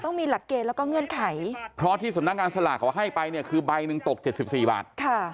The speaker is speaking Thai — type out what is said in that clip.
ต้องมีหลักเกณฑ์แล้วก็เงื่อนไขเพราะที่สำนักงานสลากเขาให้ไปเนี่ยคือใบหนึ่งตก๗๔บาท